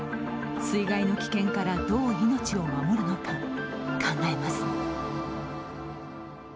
水害の危険からどう命を守るのか考えます。